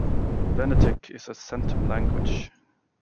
Venetic is a centum language.